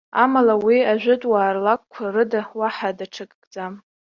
Амала уи, ажәытәуаа рлакәқәа рыда уаҳа даҽакӡам.